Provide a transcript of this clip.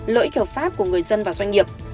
lợi kiểu pháp của người dân và doanh nghiệp